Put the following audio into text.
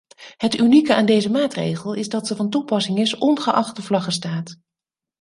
Het unieke aan deze maatregel is dat ze van toepassing is ongeacht de vlaggenstaat.